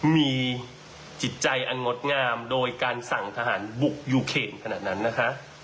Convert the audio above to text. มีจิตใจอันงดงามโดยการสั่งทหารบุกยูเคนขนาดนั้นนะคะ